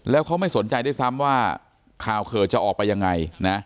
แล้วเขาไม่สนใจได้ซ้ำว่าคาวเคิร์ดจะออกไปยังไง